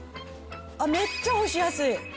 めっちゃ干しやすい。